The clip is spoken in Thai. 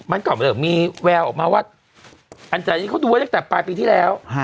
มันก็เริ่มมีแววออกมาว่าอันจานี่เขาดูไว้ตั้งแต่ปลายปีที่แล้ว